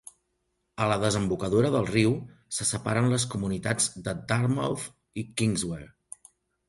A la desembocadura del riu, se separen les comunitats de Dartmouth i Kingswear.